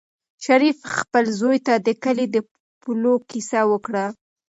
شریف خپل زوی ته د کلي د پولو کیسه وکړه.